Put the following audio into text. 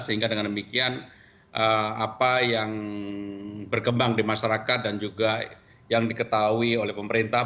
sehingga dengan demikian apa yang berkembang di masyarakat dan juga yang diketahui oleh pemerintah